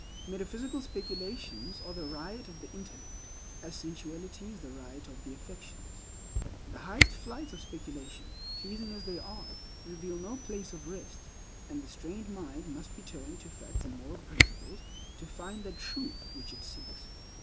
Metaphysical speculations are the riot of the intellect, as sensuality is the riot of the affections. The highest flights of speculation—pleasing as they are—reveal no place of rest, and the strained mind must return to facts and moral principles to find that truth which it seeks.